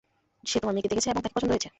সে তোমার মেয়েকে দেখেছে, এবং তাকে পছন্দ হয়েছে।